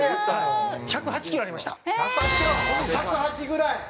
１０８ぐらい？